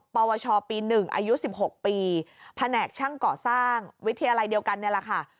ปวชปี๑อายุ๑๖ปีแผนกช่างก่อสร้างวิทยาลัยเดียวกันนี่แหละค่ะ